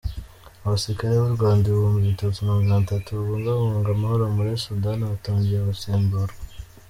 Abasirikare b’u Rwanda ibihumbi bitatu namaganatanu babungabunga amahoro muri Sudani batangiye gusimburwa